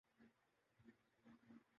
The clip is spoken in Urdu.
لیکن وہ ماضی تھا۔